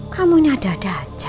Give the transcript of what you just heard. kamu ini ada ada aja